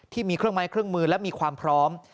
ที่มีเครื่องไม้เครื่องมือและมีความพร้อม